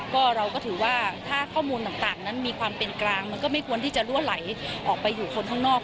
ก็เราก็ถือว่าถ้าข้อมูลต่างนั้นมีความเป็นกลางมันก็ไม่ควรที่จะรั่วไหลออกไปอยู่คนข้างนอก